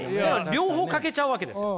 両方欠けちゃうわけですよ。